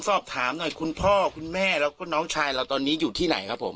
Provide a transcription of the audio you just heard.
สอบถามหน่อยคุณพ่อคุณแม่แล้วก็น้องชายเราตอนนี้อยู่ที่ไหนครับผม